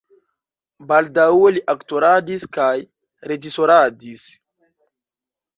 Baldaŭe li aktoradis kaj reĝisoradis.